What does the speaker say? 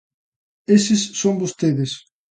Eses son vostedes.